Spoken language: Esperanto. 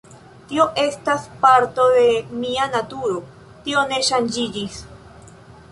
Tio estas parto de mia naturo, tio ne ŝanĝiĝis.